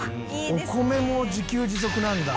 お米も自給自足なんだ。